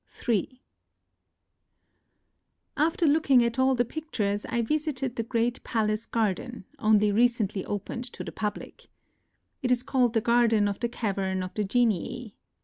in After looking at all the pictures I visited the great palace garden, only recently opened to the public. It is called the Garden of the Cavern of the Genii.